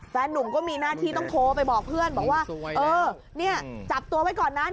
แฟนนุ่มก็มีหน้าที่ต้องโทรไปบอกเพื่อนบอกว่าเออเนี่ยจับตัวไว้ก่อนนะ